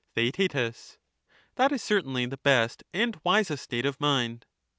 Theaet That is certainly the best and wisest state of mind.